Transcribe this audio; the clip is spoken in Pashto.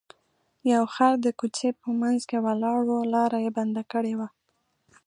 یو خر د کوڅې په منځ کې ولاړ و لاره یې بنده کړې وه.